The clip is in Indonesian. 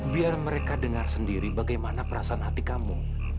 biar mereka dengar sendiri bagaimana perasaan hati kamu